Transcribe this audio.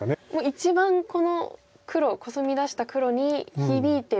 一番この黒コスミ出した黒に響いてる。